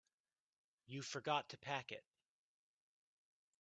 You forgot to pack it.